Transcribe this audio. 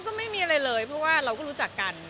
ก็ไม่มีอะไรเลยเพราะว่าเราก็รู้จักกัน